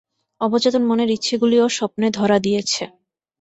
অবচেতন মনের ইচ্ছগুলিও স্বপ্নে ধরা দিয়েছে।